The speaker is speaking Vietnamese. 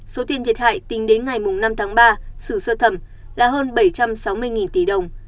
số tiền thiệt hại tính đến ngày năm tháng ba xử sơ thẩm là hơn bảy trăm sáu mươi tỷ đồng